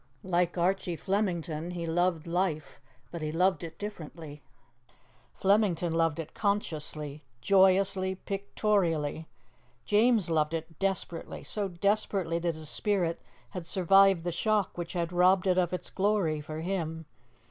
Like Archie Flemington, he loved life, but he loved it differently. Flemington loved it consciously, joyously, pictorially; James loved it desperately so desperately that his spirit had survived the shock which had robbed it of its glory, for him.